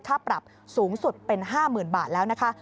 ค่าปรับสูงสุดเป็น๕๐๐๐บาทแล้วนะคะ